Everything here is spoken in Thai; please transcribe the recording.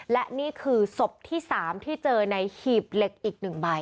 และนี่คือศพที่๓ที่เจอในหีบเหล็กอีก๑ใบ